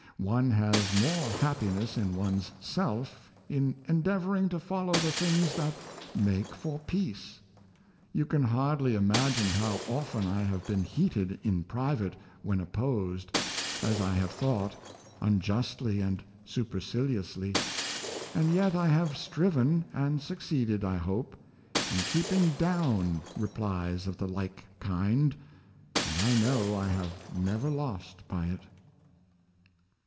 One has more happiness in one's self in endeavoring to fol low the things that make for peace. You can hardly imagine how often I have been heated in private when opposed, as I have thought, unjustly and superciliously, and yet I have striven, and succeeded, I hope, in keep ing down replies of the like kind, and I know I have never lost by it."